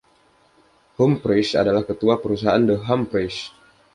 Humphreys adalah ketua Perusahaan The Humphreys.